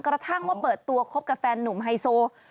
กระทั่งว่าเปิดตัวคบกับแฟนหนุ่มไฮโซ